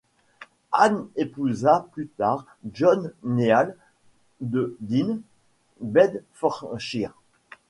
Anne épousa plus tard John Neale de Dean, Bedfordshire.